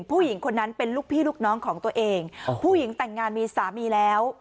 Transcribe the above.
ผู้หญิงคนนั้นเป็นลูกพี่ลูกน้องของตัวเองผู้หญิงแต่งงานมีสามีแล้ว